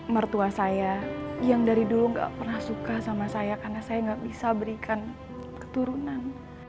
mertua saya yang dari dulu gak pernah suka sama saya karena saya nggak bisa berikan keturunan